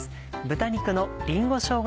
「豚肉のりんごしょうが